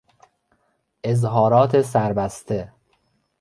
اظهارات سربسته